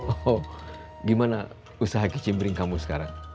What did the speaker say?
oh gimana usaha kicim pring kamu sekarang